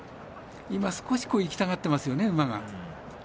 少し、いきたがってますよね馬が。